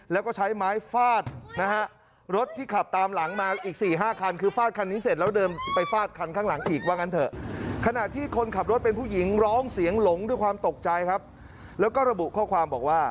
แล้วก็ระบุข้อความบอกว่า